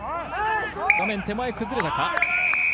画面手前、崩れたか？